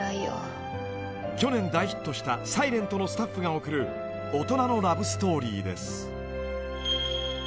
［去年大ヒットした『ｓｉｌｅｎｔ』のスタッフが送る大人のラブストーリーです］